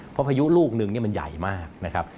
เพราะพายุลูกนึงมันใหญ่มากนะครับ